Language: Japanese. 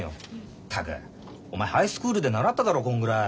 ったくお前ハイスクールで習っただろこんぐらい。